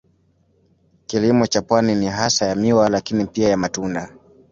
Kilimo cha pwani ni hasa ya miwa lakini pia ya matunda.